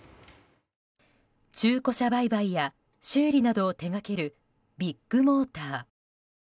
中古車売買や修理などを手掛けるビッグモーター。